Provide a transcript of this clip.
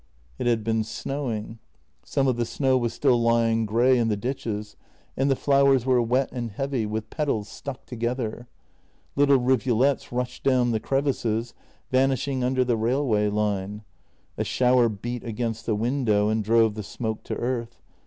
It had been snowing; some of the snow was still lying grey in the ditches, and the flowers were wet and heavy, with petals stuck together. Little rivulets rushed down the crevices, vanishing under the railway line. A shower beat against the window and drove the smoke to earth.